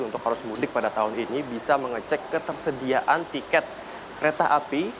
untuk arus mudik pada tahun ini bisa mengecek ketersediaan tiket kereta api